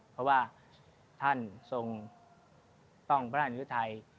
เพราะว่าท่านทรงต้องพระราชนิทัย